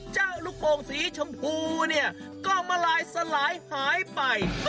ลูกโป่งสีชมพูเนี่ยก็มาลายสลายหายไป